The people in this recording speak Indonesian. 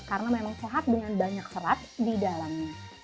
karena memang sehat dengan banyak serat di dalamnya